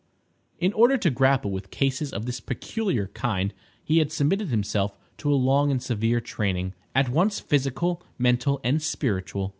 In order to grapple with cases of this peculiar kind, he had submitted himself to a long and severe training, at once physical, mental, and spiritual.